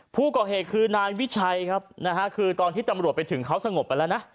ผู้ก่อเหตุคือนายวิชัยครับนะฮะคือตอนที่ตำรวจไปถึงเขาสงบไปแล้วนะ